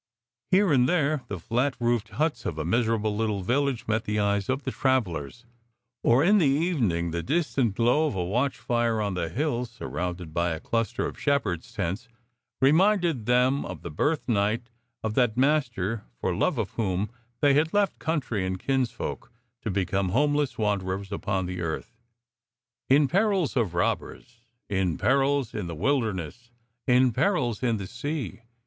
Here and there the flat roofed huts of a misera, ble little village met the eyes of the travellers ; or in the evening the distant glow of a watchfire on the hills surrounded by a cluster of shepherds' tents reminded them of the birth night of that Master for love of Whom they had left country and kinsfolk to become homeless wanderers upon the earth. " In perils of robbers, in perils in the wilder ness, in perils in the sea